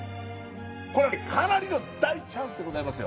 かなりの大チャンスでございますよ。